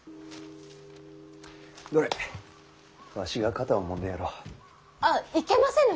どれわしが肩をもんでやろう。あっいけませぬ！